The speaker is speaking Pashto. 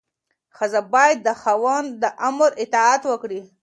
ښځه باید د خاوند د امر اطاعت وکړي.